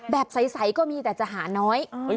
แบบใสก็มีแต่จะหาน้อย